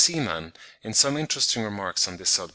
Seemann, in some interesting remarks on this subject (35.